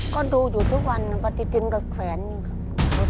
ก็ดูอยู่ทุกวันนะปฏิทินก็แขวนอยู่ครับ